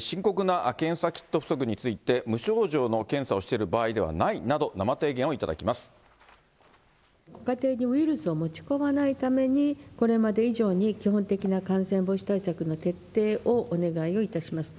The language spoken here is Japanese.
深刻な検査キット不足について、無症状の検査をしている場合ではないなど、ご家庭にウイルスを持ち込まないために、これまで以上に、基本的な感染防止対策の徹底をお願いをいたします。